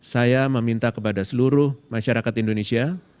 saya meminta kepada seluruh masyarakat indonesia